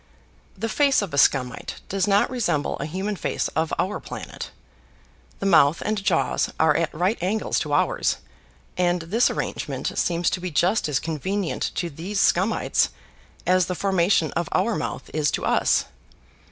The face of a Scumite does not resemble a human face of our planet. The mouth and jaws are at right angles to ours and this arrangement seems to be just as convenient to these Scumites as the formation of our mouth is to us.